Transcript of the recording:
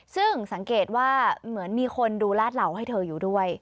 ซึ่งสังเกตว่าเหมือนมีคนดูลาดเหล่าให้เธออยู่ด้วย